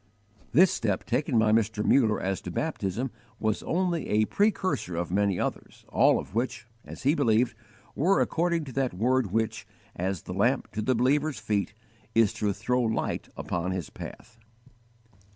* Matthew xv. 6. Mark vii. 9 13. This step, taken by Mr. Muller as to baptism, was only a precursor of many others, all of which, as he believed, were according to that Word which, as the lamp to the believer's feet, is to throw light upon his path.